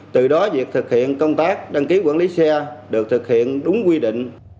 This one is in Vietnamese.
từ đó việc thực hiện công tác đăng ký quản lý xe được thực hiện đúng quy định